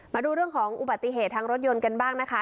มาดูเรื่องของอุบัติเหตุทางรถยนต์กันบ้างนะคะ